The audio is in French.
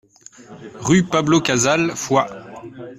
Rue Pablo Casals, Foix